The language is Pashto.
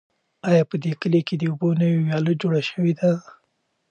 آیا په دې کلي کې د اوبو نوې ویاله جوړه شوې ده؟